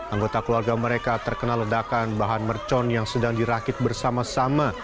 anggota keluarga mereka terkena ledakan bahan mercon yang sedang dirakit bersama sama